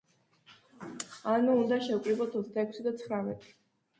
ანუ, უნდა შევკრიბოთ ოცდაექვსი და ცხრამეტი.